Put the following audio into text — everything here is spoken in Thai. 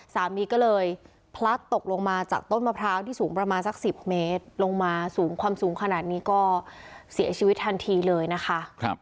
สามีก็เลยพลัดตกลงมาจากต้นมะพร้าวที่สูงประมาณสัก๑๐เมตรลงมาสูงความสูงขนาดนี้ก็เสียชีวิตทันทีเลยนะคะ